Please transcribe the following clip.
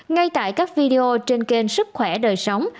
ngay tại các video trên kênh sức khỏe đời sống